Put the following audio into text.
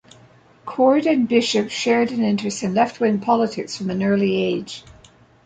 Coard and Bishop shared an interest in left-wing politics from an early age.